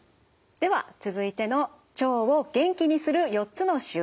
では続いての「腸を元気にする４つの習慣」